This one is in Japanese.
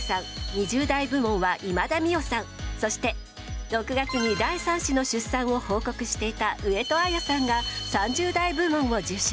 ２０代部門は今田美桜さんそして６月に第３子の出産を報告していた上戸彩さんが３０代部門を受賞。